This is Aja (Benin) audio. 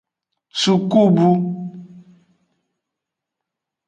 Sukubu.